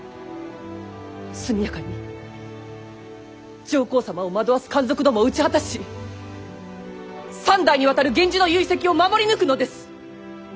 速やかに上皇様を惑わす奸賊どもを討ち果たし三代にわたる源氏の遺跡を守り抜くのです。